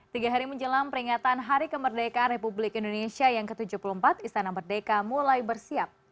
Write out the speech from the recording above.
tiga hari menjelang peringatan hari kemerdekaan republik indonesia yang ke tujuh puluh empat istana merdeka mulai bersiap